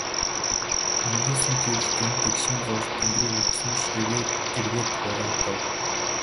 Нэлийсэн гэрэл гэнэт эгшин зуур тэнгэрийг бүрхсэн шигээ эргээд хураагдав.